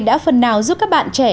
đã phần nào giúp các bạn trẻ